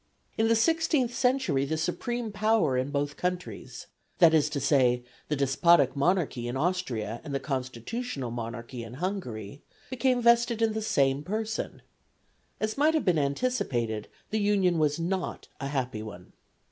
In the sixteenth century the supreme power in both countries that is to say, the despotic monarchy in Austria and the constitutional monarchy in Hungary became vested in the same person; as might have been anticipated, the union was not a happy one.